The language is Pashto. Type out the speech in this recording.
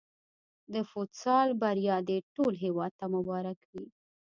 د فوتسال بریا دې ټول هېواد ته مبارک وي.